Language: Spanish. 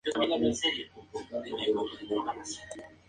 El diseño gráfico es de Carlos Mayo.